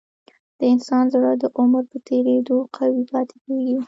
د انسان زړه د عمر په تیریدو قوي پاتې کېږي.